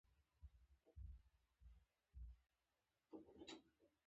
رڼا د پوهې او عدالت محصول ده.